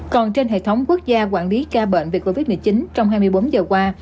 còn trên hệ thống quốc gia quản lý ca bệnh về covid một mươi chín trong hai mươi bốn giờ qua